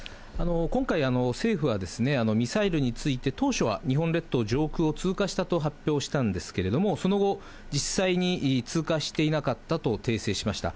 今回、政府はミサイルについて当初は日本列島上空を通過したと発表したんですけれども、その後、実際に通過していなかったと訂正しました。